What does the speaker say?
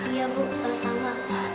iya bu sama sama